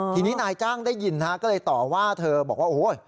ทีนี้นายจ้างได้ยินฮะก็เลยต่อว่าเธอบอกว่าโอ้โห